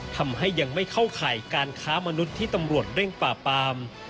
ทำให้ยังไม่เข้าข่ายการค้ามนุษย์ที่ตำรวจเร่งป่าปาม